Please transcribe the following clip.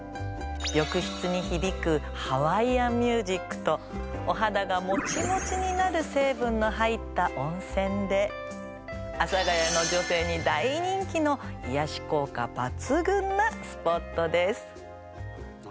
浴室に響くハワイアンミュージックとお肌がモチモチになる成分の入った温泉で阿佐ヶ谷の女性に大人気の癒やし効果抜群なスポットです。